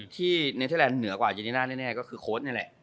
ที่เนเทอร์แลนดเหนือกว่ายูนิน่าแน่ก็คือโค้ดนี่แหละ